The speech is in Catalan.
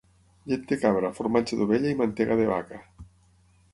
Llet de cabra, formatge d'ovella i mantega de vaca.